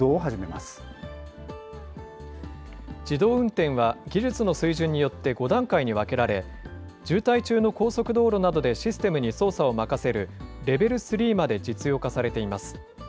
ま自動運転は技術の水準によって５段階に分けられ、渋滞中の高速道路などでシステムに操作を任せるレベル３まで実用化されています。